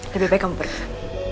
lebih baik kamu berdua